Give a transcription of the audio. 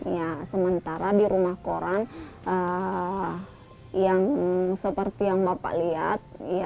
ya sementara di rumah koran yang seperti yang bapak lihat